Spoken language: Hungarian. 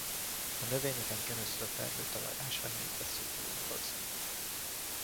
A növényeken keresztül a termőtalaj ásványait vesszük magunkhoz.